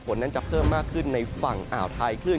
ฝนนั้นจะเพิ่มมากขึ้นในฝั่งอ่าวไทยคลื่น